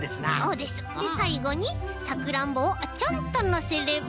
でさいごにさくらんぼをちょんとのせれば。